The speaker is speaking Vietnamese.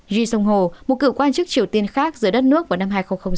ji son ho một cựu quan chức triều tiên khác giữa đất nước vào năm hai nghìn sáu